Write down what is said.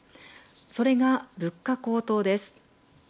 それは物価高騰です。